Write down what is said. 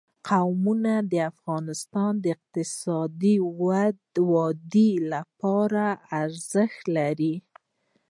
قومونه د افغانستان د اقتصادي ودې لپاره ارزښت لري.